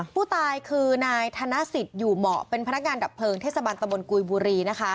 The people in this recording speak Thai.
ผู้ตายคือนายธนสิทธิ์อยู่เหมาะเป็นพนักงานดับเพลิงเทศบาลตะบนกุยบุรีนะคะ